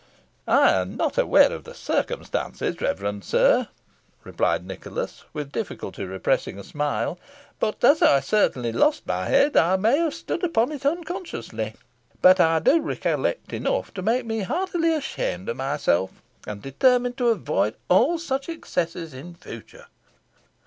"I am not aware of the circumstance, reverend sir," replied Nicholas, with difficulty repressing a smile; "but as I certainly lost my head, I may have stood upon it unconsciously. But I do recollect enough to make me heartily ashamed of myself, and determine to avoid all such excesses in future."